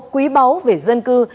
quý báu về dân cư